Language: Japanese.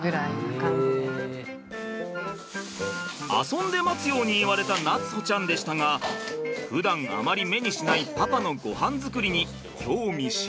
遊んで待つように言われた夏歩ちゃんでしたがふだんあまり目にしないパパのごはん作りに興味津々。